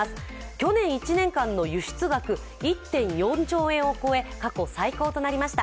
去年１年間の輸出額１．４兆円を超え過去最高となりました。